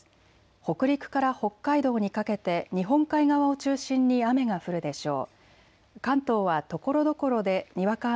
北陸から北海道にかけて日本海側を中心に雨が降るでしょう。